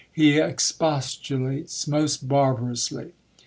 He expos tulates most barbarously.